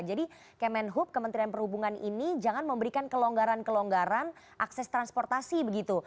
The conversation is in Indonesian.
jadi kemenhub kementerian perhubungan ini jangan memberikan kelonggaran kelonggaran akses transportasi begitu